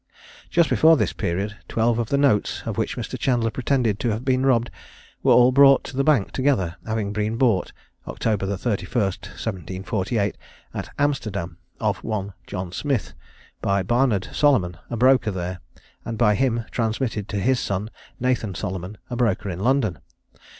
Just before this period, twelve of the notes of which Mr. Chandler pretended to have been robbed, were all brought to the bank together, having been bought, October 31, 1748, at Amsterdam, of one John Smith, by Barnard Solomon, a broker there, and by him transmitted to his son, Nathan Solomon, a broker in London.